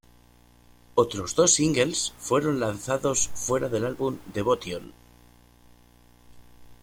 Otros dos singles fueron lanzados fuera del álbum "Devotion.